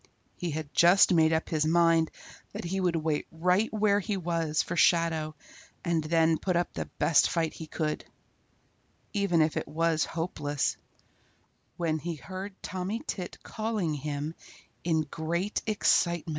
He had just made up his mind that he would wait right where he was for Shadow and then put up the best fight he could, even if it was hopeless, when he heard Tommy Tit calling to him in great excitement.